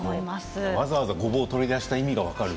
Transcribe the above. わざわざ、ごぼうを取り出した意味が分かる。